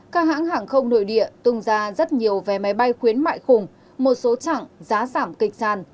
các hãng hàng không nội địa tung ra rất nhiều vé máy bay khuyến mại khủng một số chặng giá giảm kịch sàn